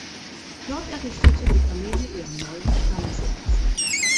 Dort errichtete die Familie ihren neuen Stammsitz.